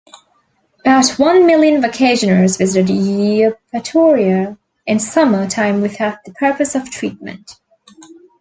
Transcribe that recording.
About one million vacationers visited Eupatoria in summer time without the purpose of treatment.